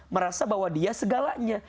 merasa bahwa dia segalanya